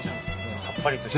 さっぱりとした。